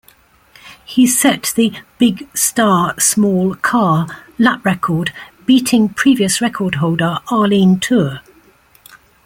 He set the "Big Star, Small Car" lap record, beating previous record-holder Arlene Tur.